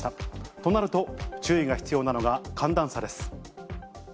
となると、注意が必要なのが寒暖差です。